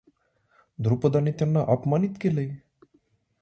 द्रुपदाने त्यांना अपमानित केले.